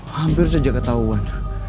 hampir saja ketahuan